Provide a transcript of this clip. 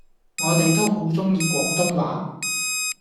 我哋都好鍾意廣東話